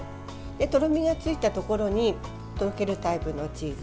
とろみがついたところにとろけるタイプのチーズ